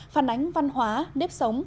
phản ánh văn hóa nếp sống